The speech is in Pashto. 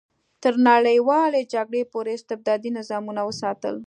تر نړیوالې جګړې پورې استبدادي نظامونه وساتل.